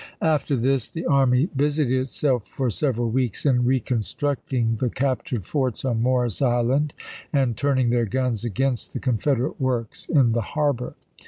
After this the army busied itself for several weeks in reconstructing the captured forts on Morris Island and turning their guns against the Con ™£ort?' federate works in the harbor.